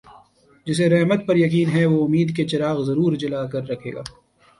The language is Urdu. جسے رحمت پر یقین ہے وہ امید کے چراغ ضرور جلا کر رکھے گا